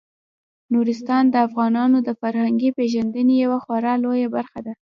نورستان د افغانانو د فرهنګي پیژندنې یوه خورا لویه برخه ده.